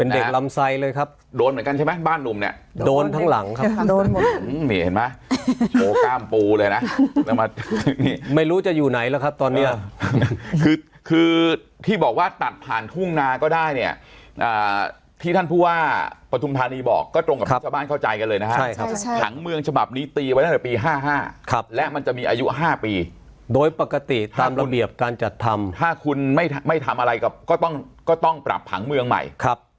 เป็นเด็กลำไซด์เลยครับโดนเหมือนกันใช่ไหมบ้านหนุ่มเนี่ยโดนทั้งหลังครับโดนเห็นไหมโปรกรามปูเลยน่ะแล้วมาไม่รู้จะอยู่ไหนแล้วครับตอนนี้คือที่บอกว่าตัดผ่านทุ่งนาก็ได้เนี่ยที่ท่านผู้ว่าประทุมฐานีบอกก็ตรงกับผู้ชมบ้านเข้าใจกันเลยนะครับใช่ครับถังเมืองฉบับนิติไว้ตั้งแต่ปีห้าห้าครับและมันจะ